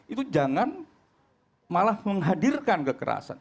itu jangan malah menghadirkan kekerasan